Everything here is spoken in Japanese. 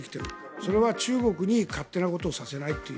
それは中国に勝手なことをさせないという。